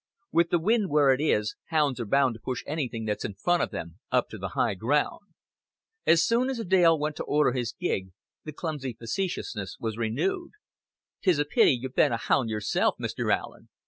With the wind where it is, hounds are bound to push anything that's in front of them up to the high ground." As soon as Dale went to order his gig the clumsy facetiousness was renewed. "'Tes a pity you ben't a hound yersel, Mr. Allen."